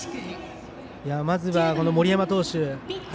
まず森山投手